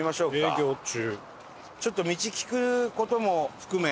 営業中。